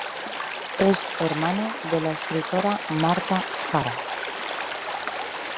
Es hermano de la escritora Marta Jara.